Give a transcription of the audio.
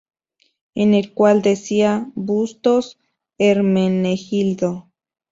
En el cual decía: "Bustos, Hermenegildo.